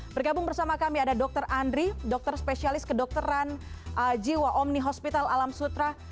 bergabung bersama kami ada dr andri dokter spesialis kedokteran jiwa omni hospital alam sutra